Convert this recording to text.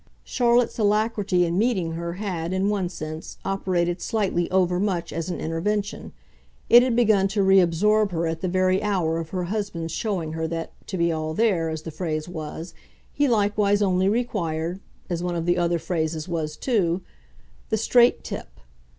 Charlotte's alacrity in meeting her had, in one sense, operated slightly overmuch as an intervention: it had begun to reabsorb her at the very hour of her husband's showing her that, to be all there, as the phrase was, he likewise only required as one of the other phrases was too the straight tip.